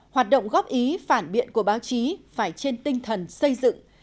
hoạt động góp ý phản biện của báo chí phải trên tinh thần xây dựng